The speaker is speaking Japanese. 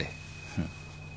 フッ。